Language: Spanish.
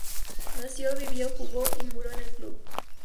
Nació, vivió, jugó y murió en el club.